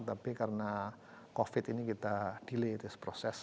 tapi karena covid ini kita delay itu proses